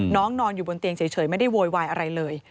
นอนอยู่บนเตียงเฉยไม่ได้โวยวายอะไรเลย